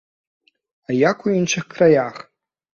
А як у іншых краях?